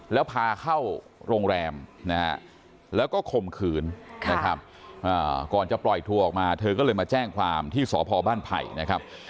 แล้วพาเข้าโรงแรมนะฮะแล้วก็ข่มขืนนะครับก่อนจะปล่อยทัวร์ออกมาเธอก็เลยมาแจ้งความที่สพบ้านไผ่นะครับ